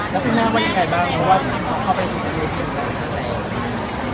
ช่องความหล่อของพี่ต้องการอันนี้นะครับ